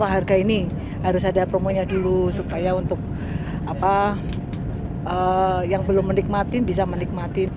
harga ini harus ada promonya dulu supaya untuk yang belum menikmatin bisa menikmati